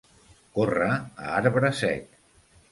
Córrer a arbre sec.